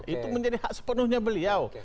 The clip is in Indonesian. itu menjadi hak sepenuhnya beliau